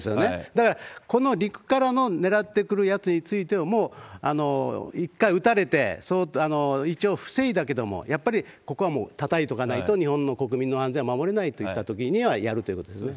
だから、この陸からの狙ってくるやつについては、もう一回撃たれて、一応防いだけれども、やっぱりここはもうたたいとかないと、日本の国民の安全は守れないといったときにはやるということですね。